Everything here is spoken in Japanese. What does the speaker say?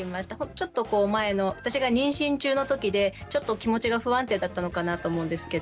ちょっと前の私が妊娠中の時でちょっと気持ちが不安定だったのかなと思うんですけど。